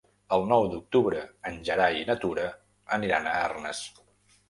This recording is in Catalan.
El nou d'octubre en Gerai i na Tura aniran a Arnes.